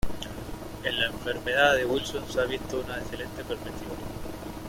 En la enfermedad de Wilson se ha visto una excelente perspectiva.